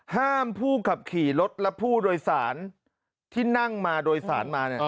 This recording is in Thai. ห้ามผู้ขับขี่รถและผู้โดยสารที่นั่งมาโดยสารมา